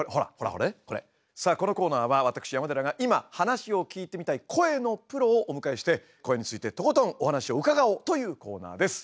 さあこのコーナーは私山寺が今話を聞いてみたい声のプロをお迎えして声についてとことんお話を伺おうというコーナーです。